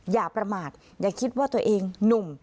อย่าประมาทอย่าคิดว่าตัวเองหนุ่ม